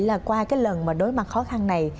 là qua cái lần mà đối mặt khó khăn này